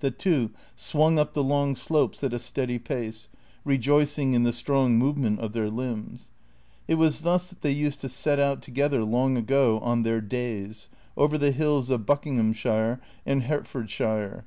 The two swung up the long slopes at a steady pace, rejoicing in the strong movement of their limbs. It was thus that they used to set out together long ago, on their " days," over the hills of Buckinghamshire and Hertfordshire.